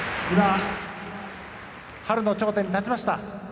今、春の頂点に立ちました。